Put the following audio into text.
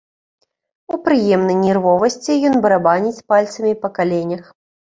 У прыемнай нервовасці ён барабаніць пальцамі па каленях.